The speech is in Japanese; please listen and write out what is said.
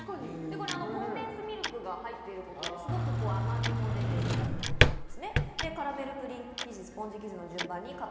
コンデンスミルクが入っていることで、すごく甘みも出ているということです。